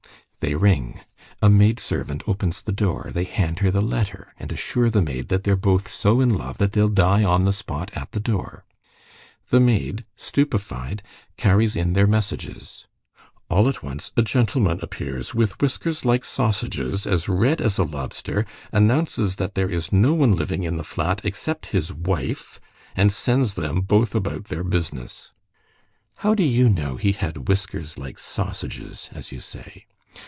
"They ring. A maid servant opens the door, they hand her the letter, and assure the maid that they're both so in love that they'll die on the spot at the door. The maid, stupefied, carries in their messages. All at once a gentleman appears with whiskers like sausages, as red as a lobster, announces that there is no one living in the flat except his wife, and sends them both about their business." "How do you know he had whiskers like sausages, as you say?"